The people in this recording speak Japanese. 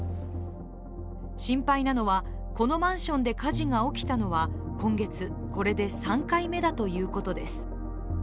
心配なのは、このマンションで火事が起きたのは今月これで３回目だということです。